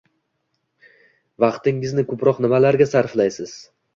– Vaqtingizni ko‘proq nimalarga sarflaysiz?